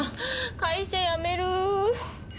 会社辞める。